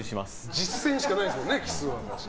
実践しかないですからねキスは。